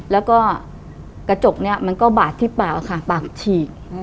แล้วก็กระจกนี้มันก็บาดที่ปากค่ะปากฉีก